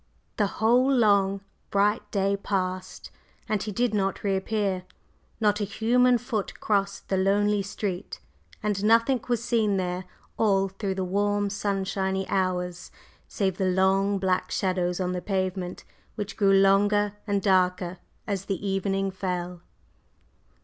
The whole long, bright day passed, and he did not reappear; not a human foot crossed the lonely street and nothing was seen there all through the warm sunshiny hours save the long, black shadows on the pavement, which grew longer and darker as the evening fell.